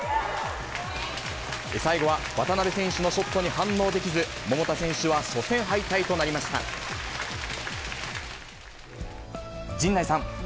最後は渡邉選手のショットに反応できず、桃田選手は初戦敗退とな陣内さん。